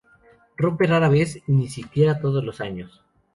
Rompe rara vez, y ni siquiera todos los años.